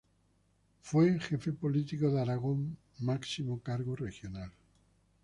Del al fue jefe político de Aragón, máximo cargo regional.